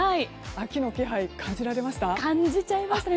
秋の気配、感じられました？